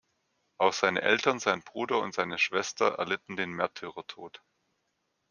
Auch seine Eltern, sein Bruder und seine Schwester erlitten den Märtyrertod.